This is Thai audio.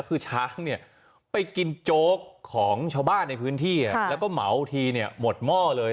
คือช้างเนี่ยไปกินโจ๊กของชาวบ้านในพื้นที่แล้วก็เหมาทีเนี่ยหมดหม้อเลย